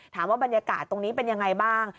ถามว่าบรรยากาศตรงนี้เป็นยังไงบ้าง